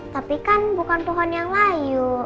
tapi kan bukan pohon yang layu